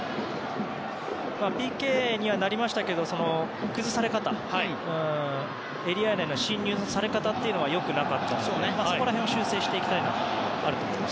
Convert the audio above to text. ＰＫにはなりましたが崩され方エリア内の侵入され方が良くなかったのでそこら辺を修正していきたいのはあると思います。